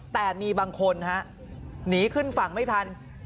แต่มีบางคนฮะหนีขึ้นฝั่งไม่ทัน